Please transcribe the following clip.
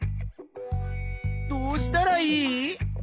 どうしたらいい？